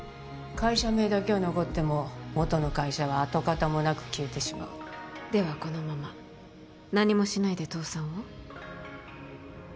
会社名だけは残っても元の会社は跡形もなく消えてしまうではこのまま何もしないで倒産を？